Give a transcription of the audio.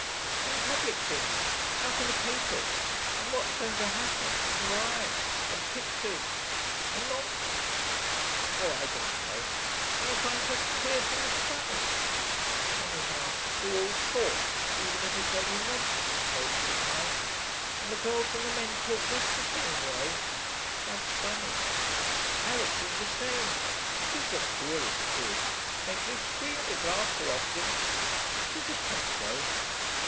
And public things, out of the papers, and what's going to happen, and why, and pictures, and ... nonsense.... Oh, I don't know.... And you find such queer things funny.... Anyhow, you all talk, even if it's only nonsense most of the time.... And the girls and the men talk just the same way. That's funny. Alix is the same. She's the queerest kid; makes me scream with laughter often. She's a pet, though.'